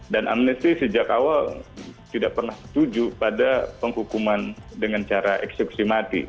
dan amnesti sejak awal tidak pernah setuju pada penghukuman dengan cara eksekusi mati